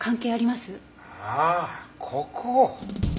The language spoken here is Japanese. ああここ！